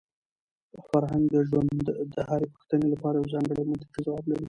فرهنګ د ژوند د هرې پوښتنې لپاره یو ځانګړی او منطقي ځواب لري.